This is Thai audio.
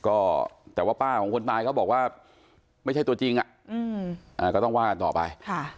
ก็แต่ว่าป้าของคนตายเขาบอกว่าไม่ใช่ตัวจริงก็ต้องว่ากันต่อไป